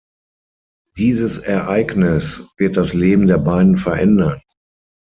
Dieses Ereignis wird das Leben der beiden verändern.